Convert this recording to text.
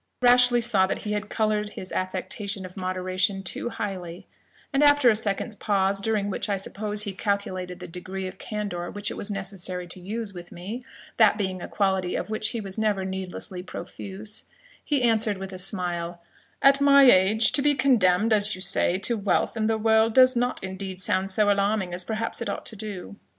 Rashleigh saw that he had coloured his affectation of moderation too highly, and, after a second's pause, during which, I suppose, he calculated the degree of candour which it was necessary to use with me (that being a quality of which he was never needlessly profuse), he answered, with a smile "At my age, to be condemned, as you say, to wealth and the world, does not, indeed, sound so alarming as perhaps it ought to do.